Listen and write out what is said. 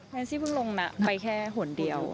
แม่งที่เพิ่งลงน่ะไปแค่ห่วงเดียว